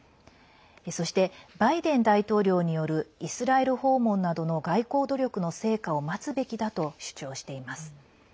そして、バイデン大統領によるイスラエル訪問などの外交努力の成果を待つべきだと主張しています。